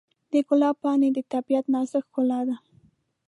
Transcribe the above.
د ګلاب پاڼې د طبیعت نازک ښکلا ده.